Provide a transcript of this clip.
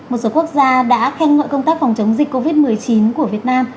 một số quốc gia đã khen ngợi công tác phòng chống dịch covid một mươi chín của việt nam